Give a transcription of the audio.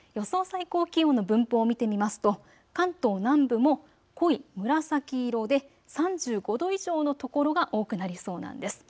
最高気温の分布を見てみますと関東南部も濃い紫色で３５度以上の所が多くなりそうなんです。